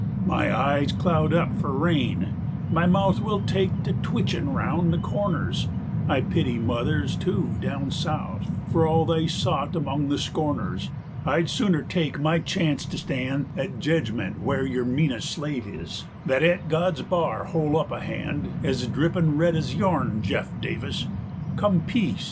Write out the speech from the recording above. My eyes cloud up for rain; my mouth 145 Will take to twitchin' roun' the corners; I pity mothers, tu, down South, For all they sot among the scorners: I'd sooner take my chance to stan' At Jedgment where your meanest slave is, 150 Than at God's bar hol' up a han' Ez drippin' red ez yourn, Jeff Davis! Come, Peace!